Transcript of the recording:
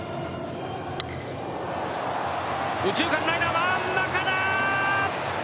右中間ライナー、真ん中だ！